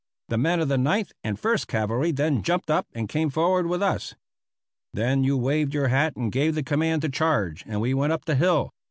The men of the Ninth and First Cavalry then jumped up and came forward with us. Then you waved your hat and gave the command to charge and we went up the hill.